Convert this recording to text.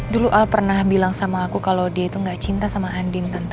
dulu al pernah bilang sama aku kalau dia itu gak cinta sama andin